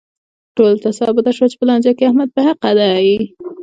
ټولو ته ثابته شوه چې په لانجه کې احمد په حقه دی.